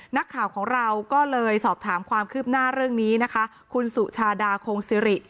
นักข่าวของเราก็เลยสอบถามความคืบหน้าเรื่องนี้นะคะคุณสุชาดาโคงซิริ